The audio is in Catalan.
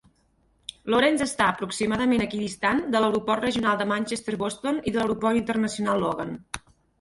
Lawrence està aproximadament equidistant de l'Aeroport Regional de Manchester-Boston i de l'Aeroport Internacional Logan.